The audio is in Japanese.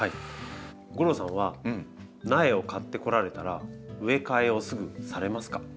吾郎さんは苗を買ってこられたら植え替えをすぐされますか？